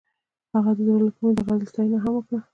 هغې د زړه له کومې د غزل ستاینه هم وکړه.